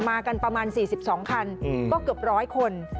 มากันประมาณ๔๒คันก็เกือบ๑๐๐คน